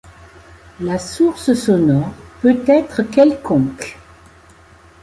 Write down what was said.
La source sonore peut être quelconque.